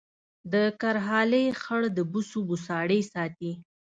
د کرهالې خړ د بوسو بوساړې ساتي